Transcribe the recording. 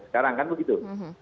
sekarang kan begitu